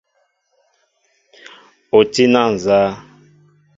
O tí na nzá ?